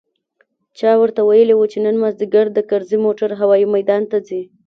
چا ورته ويلي و چې نن مازديګر د کرزي موټر هوايي ميدان ته ځي.